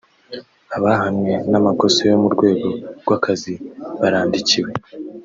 abahamwe n’amakosa yo mu rwego rw’akazi barandikiwe